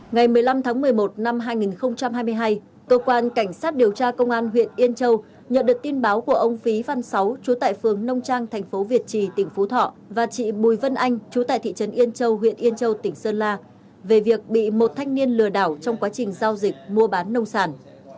ngày một mươi năm tháng một mươi một năm hai nghìn hai mươi hai cơ quan cảnh sát điều tra công an huyện yên châu nhận được tin báo của ông phí văn sáu chú tại phường nông trang thành phố việt trì tỉnh phú thọ và chị bùi vân anh chú tại thị trấn yên châu huyện yên châu tỉnh sơn la về việc bị một thanh niên lừa đảo trong quá trình giao dịch mua bán nông sản